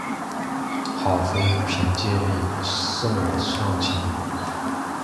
好风凭借力，送我上青云